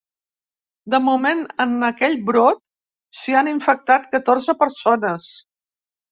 De moment en aquell brot s’hi han infectat catorze persones.